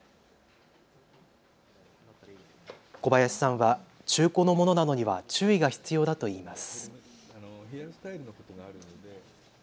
小林さんは中古のものなどには注意が必要だといいます。